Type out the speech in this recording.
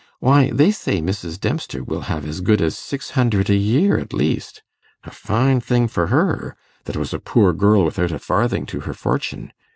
Why, they say Mrs. Dempster will have as good as six hundred a year at least. A fine thing for her, that was a poor girl without a farthing to her fortune.